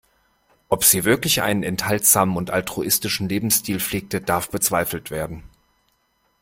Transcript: Ob sie wirklich einen enthaltsamen und altruistischen Lebensstil pflegte, darf bezweifelt werden.